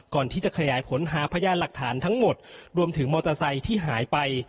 ก่อนที่จะขยายผลหาพยานหลักฐานทั้งหมดรวมถึงมอเตอร์ไซค์ที่หายไป